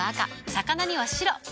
魚には白。